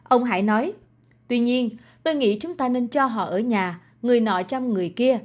ông hải nói tuy nhiên tôi nghĩ chúng ta nên cho họ ở nhà người nọ chăm người kia